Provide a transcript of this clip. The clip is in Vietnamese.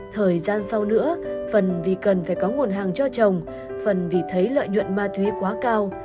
thời gian sau nữa phần vì cần phải có nguồn hàng cho chồng phần vì thấy lợi nhuận ma túy quá cao